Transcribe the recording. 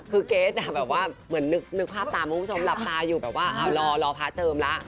คือเกรทแบบว่าเหมือนนึกภาพตามคุณผู้ชมหลับตาอยู่แบบว่ารอพระเจิมแล้ว